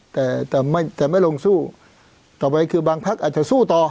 แต่แต่ไม่ลงสู้ต่อไปคือบางพักอาจจะสู้ต่อ